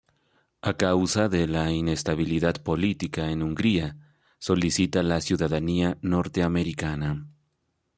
A causa de la inestabilidad política en Hungría solicita la ciudadanía norteamericana.